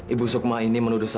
ibu sukma ini menuduh